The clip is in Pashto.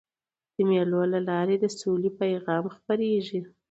د مېلو له لاري د سولي پیغام خپرېږي.